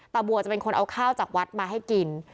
บัวจะเป็นคนเอาข้าวจากวัดมาให้กิน